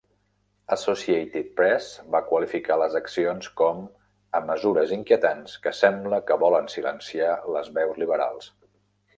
Associated Press va qualificar les accions com a "mesures inquietants que sembla que volen silenciar les veus liberals".